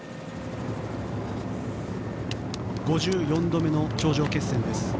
５４度目の頂上決戦です。